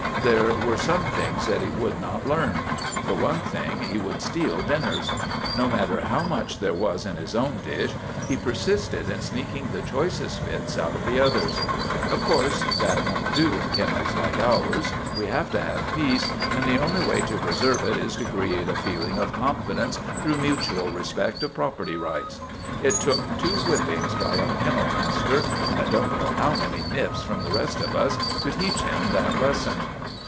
There were some things that he would not learn. For one thing, he would steal dinners. No matter how much there was in his own dish, he per sisted in sneaking the choicest bits out of the others. Of course that won't do in kennels like ours. We have to have peace, and the only way to preserve it 104 JUSTICE AT VALLEY BROOK is to create a feeling of confidence through mutual respect of property rights. It took two whippings by our kennel master, and I don't know how many nips from the rest of us, to teach him that lesson.